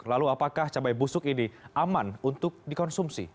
lalu apakah cabai busuk ini aman untuk dikonsumsi